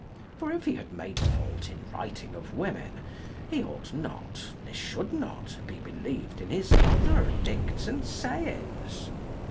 For if he had made fault in writing of women, he ought not, ne should not, be believed in his other dictes and sayings.